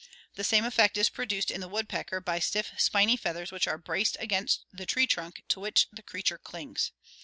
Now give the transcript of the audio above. The same effect is produced in the woodpecker by stiff spiny feathers which are braced against the tree trunk to which the creature clings.